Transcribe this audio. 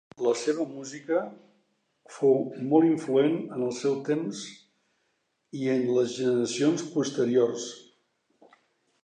La seva música fou molt influent en el seu temps i en les generacions posteriors.